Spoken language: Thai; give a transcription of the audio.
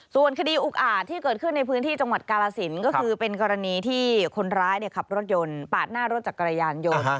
ส่วนคดีอุกอาจที่เกิดขึ้นในพื้นที่จังหวัดกาลสินก็คือเป็นกรณีที่คนร้ายขับรถยนต์ปาดหน้ารถจักรยานยนต์